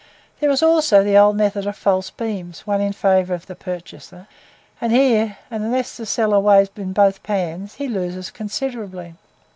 There is also the old method of false beams one in favour of the purchaser and here, unless the seller weighs in both pans, he loses considerably.